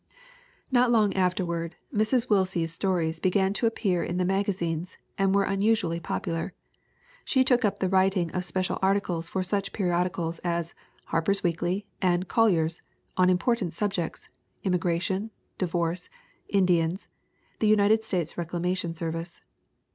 Not long afterward Mrs. Willsie's stories began to appear in the magazines and were unusually popular. She took up the writing of special articles for such periodicals as Harper's Weekly and Collier's on im portant subjects immigration, divorce, Indians, the United States Reclamation Service.